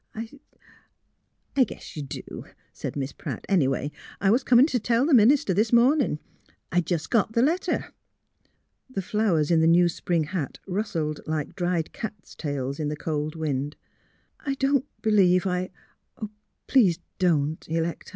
'' I '''' I guess you do, '' said Miss Pratt. '' Anyway, I was comin' t' tell th' minister this mornin' — I jus' got th' letter." The flowers in the new spring hat rustled like dried cat tails in the cold wind. '' I don't believe I Please don't, Electa."